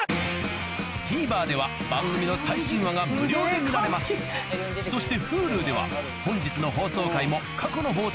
ＴＶｅｒでは番組の最新話が無料で見られますそしてＨｕｌｕでは本日の放送回も過去の放送回もいつでもどこでも見られます